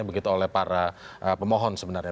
begitu oleh para pemohon sebenarnya